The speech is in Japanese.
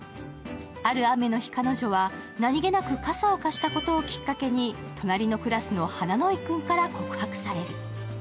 ある雨の日、彼女は、何気なく傘を貸したことをきっかけに隣のクラスの花野井君から告白される。